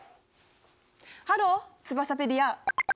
ハローツバサペディア！